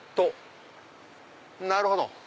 なるほど！